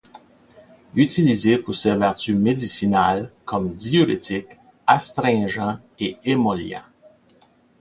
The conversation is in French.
Utilisée pour ses vertus médicinales, comme diurétique, astringent et émollient.